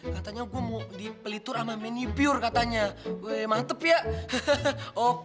lo jangan nemenin gue yuk